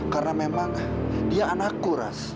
karena memang dia anakku ras